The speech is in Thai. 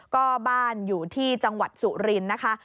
ก็บ้านอยู่ที่จังหวัดสุรินทร์นะคะ